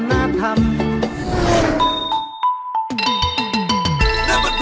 นั่นมันรถอะไรดูไม่เหมือนรถประทุกข์